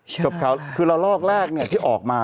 กับเขาคือละลอกแรกที่ออกมา